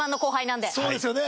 そうですよね。